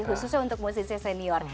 khususnya untuk musisi senior